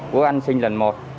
của anh sinh lần một